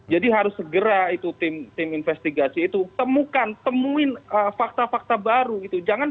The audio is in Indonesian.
harus segera itu tim investigasi itu temukan temuin fakta fakta baru gitu